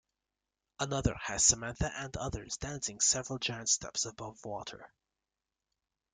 Another has Samantha and others dancing several giant steps above water.